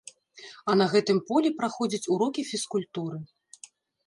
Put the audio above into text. А на гэтым полі праходзяць урокі фізкультуры.